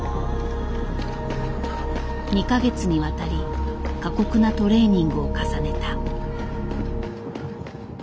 ２か月にわたり過酷なトレーニングを重ねた。